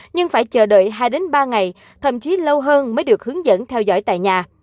nhưng phải chờ đợi hai ba ngày thậm chí lâu hơn mới được hướng dẫn theo dõi tại nhà